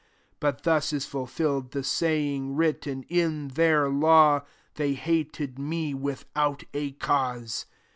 25 But thus is fulfilled the say ing written in their law, ' They hated me without a cause.'